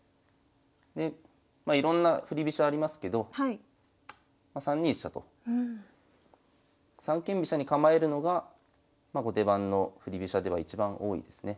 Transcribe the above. でまあいろんな振り飛車ありますけど３二飛車と三間飛車に構えるのが後手番の振り飛車では一番多いですね。